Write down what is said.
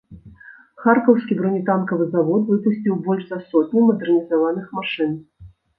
Харкаўскі бронетанкавы завод выпусціў больш за сотню мадэрнізаваных машын.